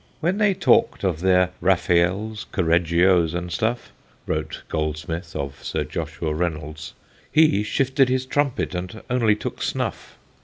"When they talked of their Raphaels, Correggios, and stuff," wrote Goldsmith of Sir Joshua Reynolds, He shifted his trumpet, and only took snuff.